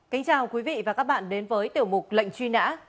kính chào quý vị và các bạn đến với tiểu mục lệnh truy nã